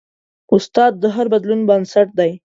استاد د هر بدلون بنسټ دی.